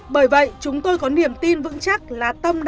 bởi vậy chúng tôi có niềm tin vững chắc là tâm đang ở đây